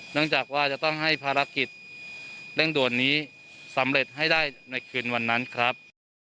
จากว่าจะต้องให้ภารกิจเร่งด่วนนี้สำเร็จให้ได้ในคืนวันนั้นครับ